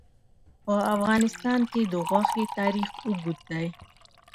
په افغانستان کې د غوښې تاریخ اوږد دی.